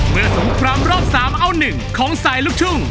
เมื่อสงครามรอบ๓เอ้า๑ของสายลูกชุ่ง